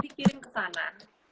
dikirim ke sana